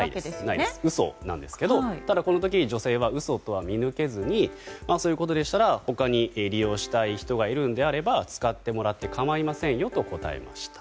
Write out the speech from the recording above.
はい、嘘なんですけどただ、この時に女性は嘘とは見抜けずにそういうことでしたら他に利用したい人がいるのなら使ってもらって構いませんよと答えました。